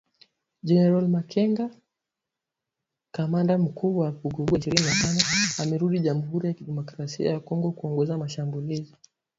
Gen. Makenga, kamanda mkuu wa Vuguvugu ya Ishirini na tatu amerudi Jamuhuri ya Kidemokrasia ya Kongo kuongoza mashambulizi